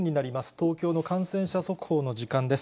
東京の感染者速報の時間です。